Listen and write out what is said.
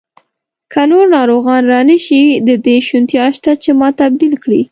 که نور ناروغان را نه شي، د دې شونتیا شته چې ما تبدیل کړي.